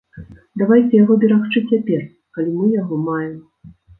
Давайце яго берагчы цяпер, калі мы яго маем.